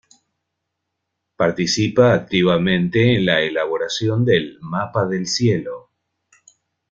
Participa activamente en la elaboración del "Mapa del cielo".